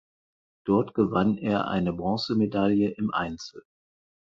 Dort gewann er eine Bronzemedaille im Einzel.